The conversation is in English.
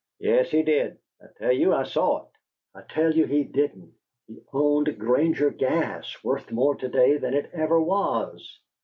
"Yes, he did. I tell you I saw it!" "I tell you he didn't. He owned Granger Gas, worth more to day than it ever was!